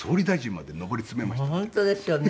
本当ですよね。